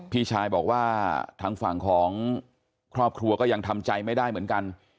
พี่ชายบอกว่าทางฝั่งของครอบครัวก็ยังทำใจไม่ได้เหมือนกัน